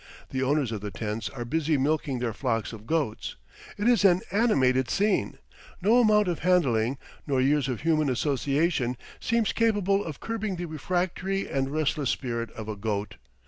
The owners of the tents are busy milking their flocks of goats. It is an animated scene. No amount of handling, nor years of human association, seems capable of curbing the refractory and restless spirit of a goat.